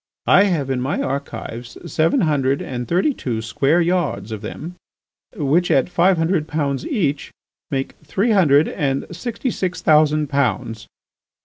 I have in my archives seven hundred and thirty two square yards of them which at five hundred pounds each make three hundred and sixty six thousand pounds."